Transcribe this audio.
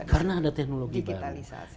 karena ada teknologi baru digitalisasi